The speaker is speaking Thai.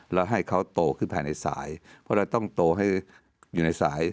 แล้วให้เขาโตขึ้นภายในสายเพราะเราต้องโตให้อยู่ในสาย